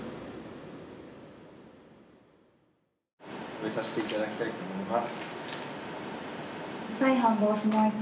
始めさせていただきたいと思います。